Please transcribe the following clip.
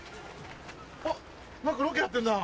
あっ何かロケやってんな。